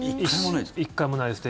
１回もないです。